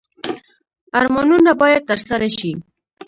ارمانونه باید ترسره شي